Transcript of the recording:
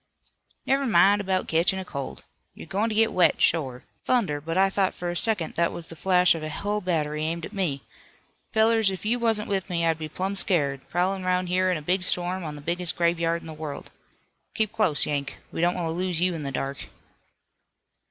"Never min' 'bout ketchin' cold. You're goin' to get wet, shore. Thunder, but I thought fur a second that was the flash of a hull battery aimed at me. Fellers, if you wasn't with me I'd be plumb scared, prowlin' 'roun' here in a big storm on the biggest graveyard in the world. Keep close, Yank, we don't want to lose you in the dark."